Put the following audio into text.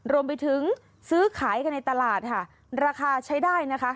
รวมไปถึงซื้อขายกันในตลาดค่ะราคาใช้ได้นะคะ